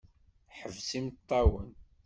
Ḥbes imeṭṭawen!